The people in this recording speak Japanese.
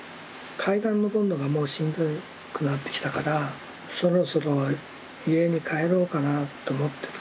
階段上るのがもうしんどくなってきたからそろそろ家に帰ろうかなと思ってる。